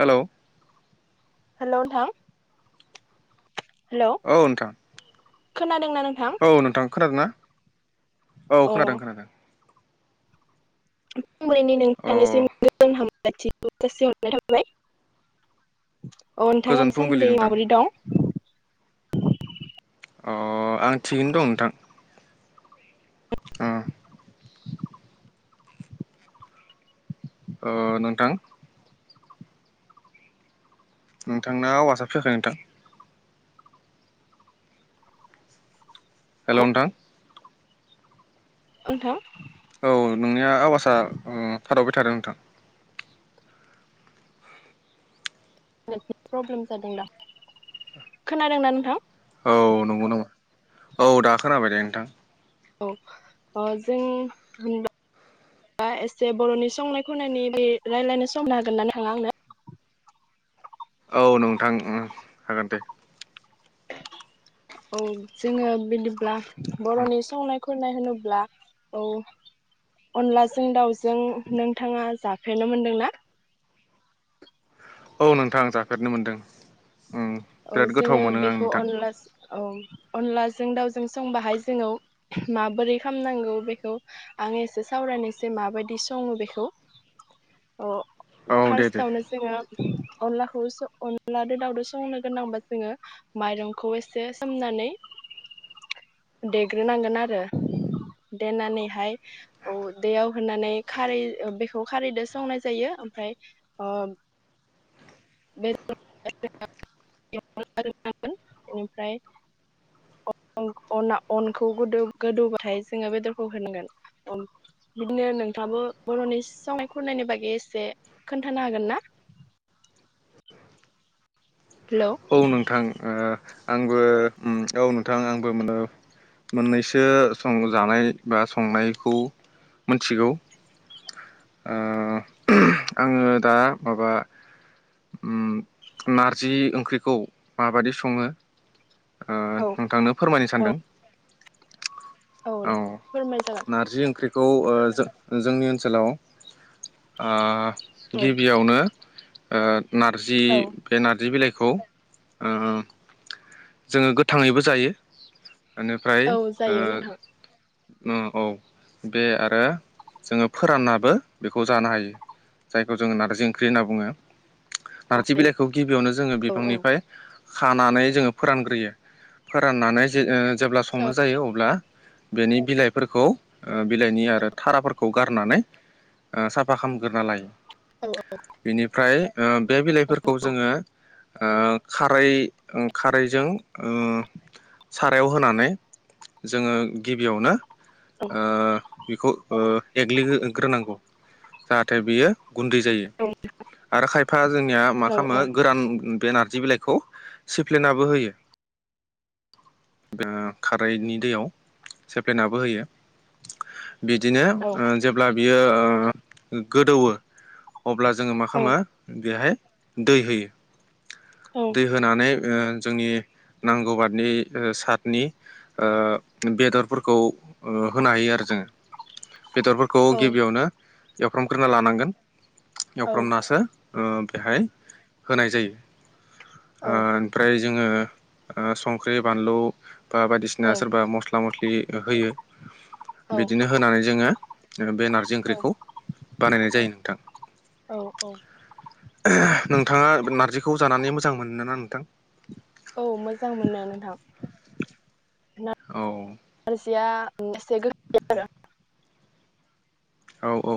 हेल' hello नोंथां औ नोंथां खोना औ नोंथां खोनादों ना औ अ खोनादों खोनादों [unintelligible] अ नोंथांनिसिम गोजोन हाम [unintelligible] अ नोंथाङा गोजोन फुंबिलि दासान्दि नोंथां माबोरै दं अ आं थिगैनो दं नोंथां अ ओ नोंथां नोंथांना आवासा फैयाखै नोंथां। हेल' नोंथां नोंथां औ नोंनिया आवासआ थाथबाय थादों नोंथां प्रब्लेम जादों दा खोनादों ना नोंथां औ नंगौ नामा औ दा खोनाबाय दे नोंथां औ जों होनबा एसे बर'नि संनाय खावनायनि बे रायलायनो सम होनो हागोन ना नोंथाङा आंनो औ नोंथां ओं हागोन दे। औ जोङो बिदिब्ला उम बर'नि संनाय संनाय होनोब्ला औ अनलाजों दाउजों नोंथाङा जाफेरनो मोनदोंना औ नोंथां जाफेरनो मोनदों। उम औ बिराद गोथाव जोङो मोनो आं बेखौ नोंथां अनला औ अनलाजों दाउजों संबाहाय जोङो माबोरै खालामनांगौ बेखौ आं एसे सावरायनोसै माबायदि सङो बेखौ। ओ औ दे दे फार्स्टआवनो जोङो अनलाखौ अनलाजों दाउदो संनो गोनांबा जोङो माइरंखौ एसे सोमनानै देग्रोनांगोन आरो देनानैहाय औ दैयाव होनानै खारै बेखौ खारैजों सावनाय जायो ओमफ्राय ओ [unintelligible] अनखौ गोदौबाथाय जोङो बेदरखौ होनांगोन बिदिनो नोंथाङाबो बर'नि संनाय खुरनायनि बागै एसे खोन्थानो हागोन ना हेलौ औ नोंथां आंबो औ नोंथां आंबो मोननैसो संनाय जानाय बा संनायखौ मिथिगौ आङो दा माबा नारजि ओंख्रि खौ माबादि सङो ओ औ नोंथांनो फोरमायनो सानदों। औ दे फोरमाय जागोन खौ ओ जों जोंनि ओनसोलाव आ औ गिबियावनो ओ नारजि औ बे नारजि बिलाइ खौ ओ जोङो गोथाङैबो जायो। एनिफ्राय औ जायो ओ नोंथां उम औ बे आरो जोङो फोराननाबो बेखौ जानो हायो जायखौ जोङो नारजि ओंख्रि होनना बुङो। औ नार्जि जायो बिलाइखौ गिबियावनो जोङो औ औ बिफांनिफाय खानानै जोङो फोरानग्रोयो फोराननानै जे जेब्ला संनो औ जायो। अब्ला बेनि बिलाइफोरखौ ओ बिलाइनि आरो थाराफोरखौ गारनानै साफा ओ खालामग्रोना लायो। बेनिफ्राय ओ बे बिलाइफोरखौ जोङो। ओ खारै खारैजों ओ सारायाव होनानै जोङो गिबियावनो ओ बेखौ ओ एग्लिग्रोनांगौ जाहाथे बियो गुन्दै जायो आरो खायफा जोंनिया मा औ औ खालामो गोरान बे नारजि बिलाइखौ सिब सेप्लेनाबो होयो खारैनि दैयाव सेप्लेनाबो होयो। बिदिनो औ ओ जेब्ला बियो ओ ओ गोदौवो अब्ला जोङो मा औ खालामो बेहाय दै होयो औ दै होनानै ओ जोंनि नांगौ बादनि सतनि ओ बेदरफोरखौ होनो हायो आरो जोङो। बेदरफोरखौ औ गिबियावनो एवफ्रांमग्रोना लानांगोन औ एवफ्रांमनासो ओ बेहाय होनाय जायो ओ जोङो ओ संख्रि बानलु बा बायदिसिना सोरबा मस्ला मस्लि होयो बिदिनो होनानै जोङो ओ बे नारजि ओंख्रिखौ बानायनाय औ जायो नोंथां औ औ [unintelligible] ओ नोंथाङा नारजिखौ जानानै मो मोजां मोननो ना नोंथां [inaudible] औ मोजां मोनो नोंथां औ नार्जिया एसे गो-खा आरो औ औ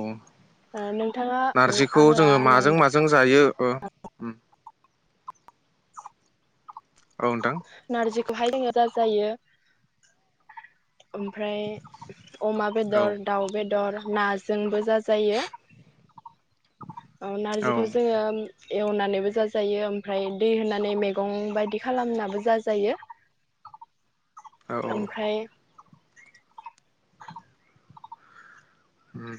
आरो नोंथाङा नारजिखौ आङो दा जोङो माजों माजों जायो ओ उम औ नोंथां खौहाय जोङो [unintelligible] जायो ओमफ्राय अमा औ बेदर दाउ बेदर नाजोंबो जा जायो जायो औ नारजिखौ जोङो उम एवनानैबो जाजायो ओमफ्राय दै होनानै मैगं बायदि खालामनाबो जाजायो औ ओमफ्राय होम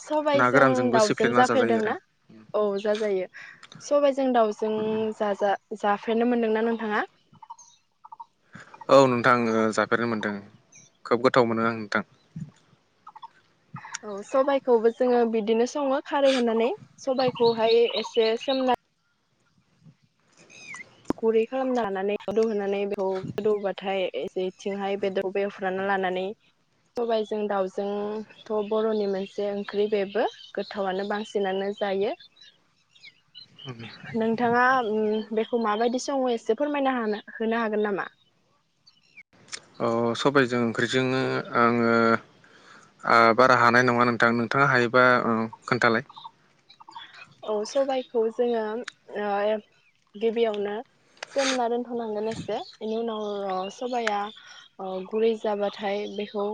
सबाइजों गोरानजोंबो दाउजों सिफ्लेना जाजायो आरो जाफेरदोंना औ जाजायो सबाइजो जों दाउजों जाजा जाफेरनो मोनदोंना नोंथाङा औ नोंथां जाफेरनो मोनदों खोब गोथाव मोनो आं नोंथां औ सबाइखौबो जोङो बिदिनो सङो खारै होनानै सबाइखौहाय एसे सोमना गुरै खालामनो हानानै गदौ होनानै बेखौ गोदौबाथाय एसे थिंहाय बेदर बे रानना लानानै सबाइजों दाउजोंथ' बर'नि मोनसे ओंख्रि बेबो गोथावआनो बांसिनानो जायो नोंथाङा उम खौ माबायदि सम एसे फोरमायनो हानहोनो हागोन नामा? ओ सबायजों ओंख्रिजोंङो आङो ओ बारा हानाय नङा नोंथां नोंथाङा हायोबा ओ खोन्थालाय? औ सबायखौ जोङो ओ गिबियावनो सोमना होनांगोन एसे इनि उनाव अर सबाया ओ गुरै जाबाथाय बेखौ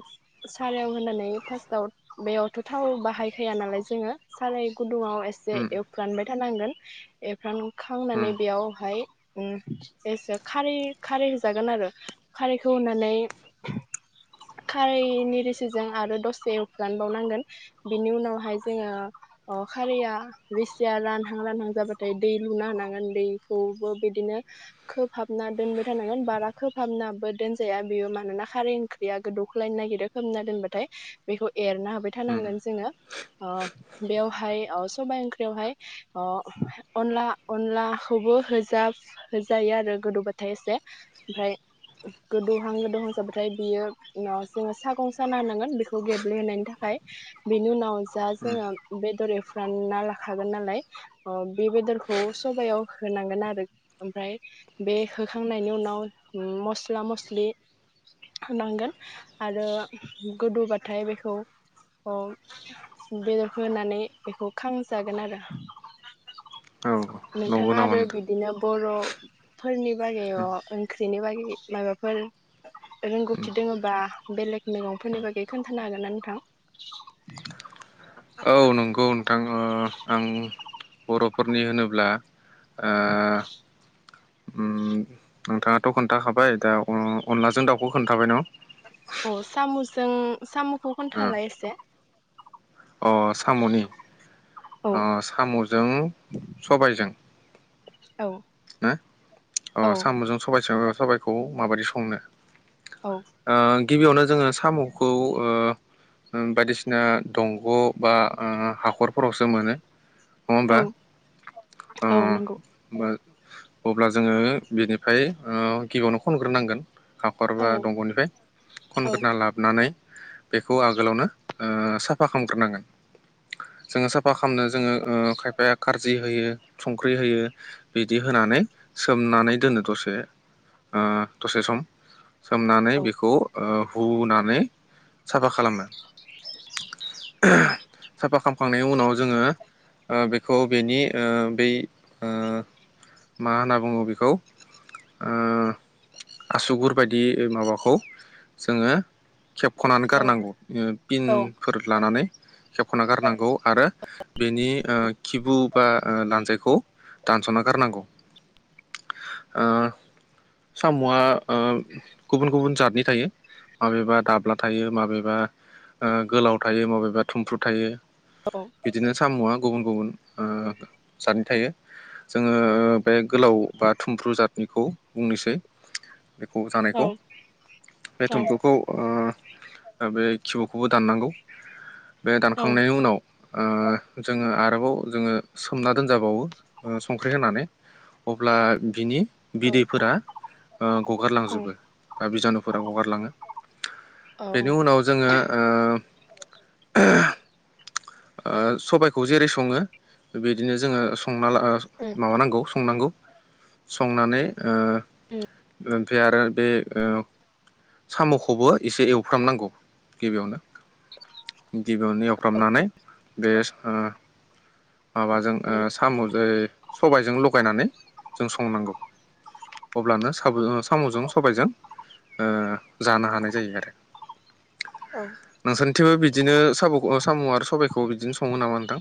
सारायाव होनानै फास्टाव बेयावथ' थाव बाहायखाया नालाय जोङो साराय गुदुङाव य उम एवफ्रानबाय थारनांगोन एफ्रानखांनानै उम बेयावहाय ओ एसे खारै खारै होजागोन आरो खारैखौ होनानै खारैनि रिसिजों आरो दसे एवफ्रानबावनांगोन बिनि उनावहाय जोङो ओ खारैया बिसिया रानहां रानहां जाबाथाय दै लुना होनानांगोन दैखौबो बिदिनो खोबहाबना दोनबाय थानांगोन बारा खोबहाबनाबो दोनजाया बेयो मानोना खारै ओंख्रिया गोदौख्लायनो नागिरो खोबना दोनबाथाय बेखौ एरना होबाय उम थानांगोन जोङो ओ बेवहाय ओ सबाइ ओं वहाय अनला अनलाखौबो होजा होजायो आरो गोदौबाथाय एसे ओमफ्राय गोदौहां गोदौहांजाबाथाय बियो जोङो सागं साना होनांगोन बेखौ गेब्लेहोनायनि थाखाय बेनि उनाव जा उम जोङो बेदर एवफ्रान ना ला हागोन नालाय ओ बे बेदरखौ सबयाव होनांगोन आरो ओमफ्राय बे होखांनायनि उनाव मस्ला मस्लि होनांगोन आरो गोदौबाथाय बेखौ ओ बेदरखौ होनानै बेखौ खां जागोन आरो औ नंगौ नोंथाङा नामा आरो नोंथां बिदिनो बर' फोरनि बागै ओंख्रिनि बागै माबाफोर उम रोंगौथि दोङोबा बेलेग मैगंफोरनि उम बागै खोन्थानो हागोन ना नोंथां? आङो आं बर'फोरनि होनोब्ला ओ उम नोंथाङाथ' खोन्थाखाबाय दा उम अनलाजों दाउखौ खोन्थाबाय न' अ सामुसजों सामुखौ खोनथालाय एसे अ सामुनि औ ओ सामुजों सबायजों औ न अ औ साम'जों सबायजों साबाइखौ माबायदि संनो औ ओ गिबियावनो जो जोङो सामुखौ ओ ओं बायदिसिना दंग' बा ओ हाखरफोरावसो मोनो। नङा होमबा औ उम औ नंगौ होमबा अब्ला जोङो बिनिफ्राय ओ गिबियावनो खनग्रोनांगोन हाखर औ बा दंग'निफाय औ खनग्रोना लाबनानै बेखौ आगोलावनो ओ साफा खामग्रोनांगोन जोङो साफा खालामनो जोङो ओ खायफाया खारजि होयो संख्रि होयो बिदि होनानै सोमनानै दोनो दसे ओ दसे सम सोमनानै औ बेखौ ओ हुनानै साफा खालामो नोंथां [unintelligible] फाखामखांनायनि उनाव ओ जोङो बेखौ बेनि बे मा होनना बुङो बेखौ ओ आसुगुर बायदि माबाखौ जोङो। खेबख'नानै औ गारनांगौ औ पिनफोर लानानै खेबख'ना गारनांगौ आरो बेनि खिबु बा लानजाइखौ दानस'ना गारनांगौ ओ साम'आ गुबुन गुबुन जादनि थायो माबेबा दाब्ला थायो माबेबा गोलाव थायो माबेबा थुमफ्रु थायो औ बिदिनो साम'आ गुबुन गुबुन जादनि थायो जोङो बे गोलाव बा थुमफ्रु जाथ बेखौ बुंनोसै बेखौ औ जानायखौ बे औ थुम्फुखौ दा बे किब'खौबो दाननांगौ बे दानखांनायनि उनाव जोङो आरोबाव जोङो सोमना दोनजाबावो संख्रि होनानै अब्ला बिनि बिदैफोरा ओ गगारलांजोबो बा बिजानुफोरा गगारलाङो औ औ बेनि उनाव जोङो ओ ओ सबायखौ जेरै सङो बिदिनो जोङो संना ला माबानांगौ संनांगौ संनानै उम ओमफ्राय आरो बे ओ साम'खौबो एसे एवफ्रामनांगौ गिबियावनो गिबियावनो एवफ्रामनानै बे माबाजों ओ साम' सबायजों लगायनानै जों संनांगौ अब्लानो साबजों साम'जों सबायजों जानो हानाय जायो आरो औ नोंसोरथिंबो बिदि बिदिनो साब' साम'खौ साम' आरो सबबायखौ बिदिनो सङो नामा नोंथां?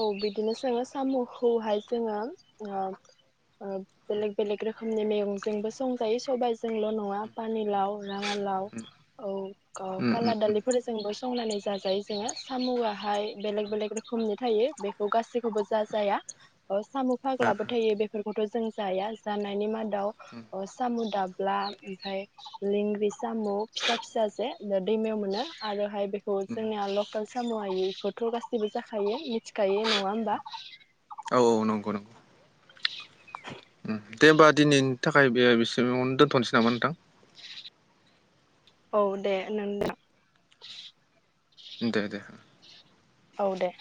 औ बिदिनो सोङो साम' खौहाय जोङो ओ ओ बेलेग बेलेग रोखोमनि मैगंजोंबो संजायो सबायजोंल' नङा पानिलाव रङा'लाव औ उम काला उम दालिफोरजोंबो संनानै जाजायो जोङो साम'आ बेलेग बेलेग रोखोमनि थायो बेखौ गासैखौबो जा जाया अ साम' फाग्लाबो थायो बेफोरखौथ' जों जाया जानायनि मादाव साम' दाब्ला ओमफ्राय लेंग्रि साम' फिसा फिसा जे दैमायाव मोनो आरोहाय बेखौ जोंनिया लकेल साम' आयिखौ गासिबो जाखायो गायो नङा होमबा ओ औ औ नंगौ नंगौ [inaudible] दे होमबा दिनैनि थाखाय बे बेसेबाङावनो दोनथ'नोसै नामा नोंथां औ दे नोंथां दे दे औ दे